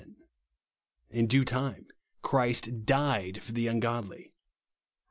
In due time Christ died for the ungodly," (Rom.